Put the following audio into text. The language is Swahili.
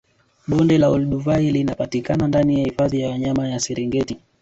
Bonde la Olduvai linapatikana ndani ya hifadhi ya wanyama ya Serengeti